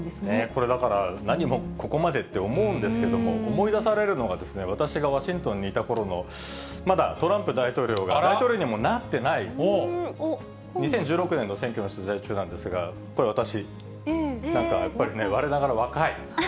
これ、だから何もここまでって思うんですけれども、思い出されるのが、私がワシントンにいたころの、まだトランプ大統領が大統領にもなってない、２０１６年の選挙の取材中なんですが、これ、私、なんか、やっぱりね、われながら若い。